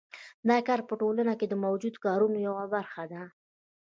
دا کار په ټولنه کې د موجودو کارونو یوه برخه ده